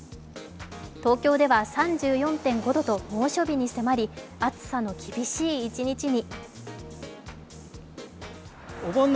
東京では３４．５度と猛暑日に迫り暑さの厳しい一日に。